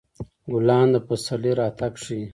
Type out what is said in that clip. ګلان د پسرلي راتګ ښيي.